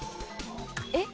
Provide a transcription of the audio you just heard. えっ？